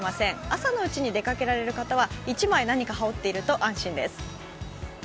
朝のうちに出かけられる方は１枚何か羽織っていると安心です。